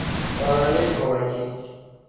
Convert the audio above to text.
رانندهی کمکی